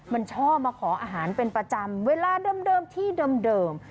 มันชอบมาขออาหารเป็นประจำเวลาเดิมที่เดิม